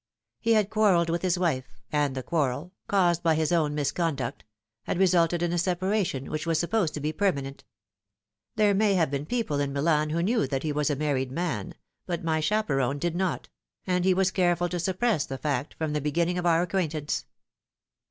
He had quarrelled with his wife ; and the quarrel caused by his own misconduct had resulted in a separation which was sup posed to be permanent. There may have been people in Milan who knew that he was a married man, but my chaperon did not ; and he was careful to suppress the fact from the beginning of our acquaintance.